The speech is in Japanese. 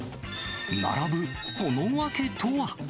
並ぶその訳とは？